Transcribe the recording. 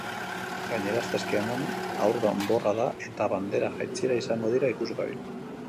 Gainera, asteazkenean haur danborrada eta bandera jaitsiera izango dira ikusgai.